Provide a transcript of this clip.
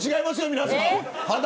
皆さん。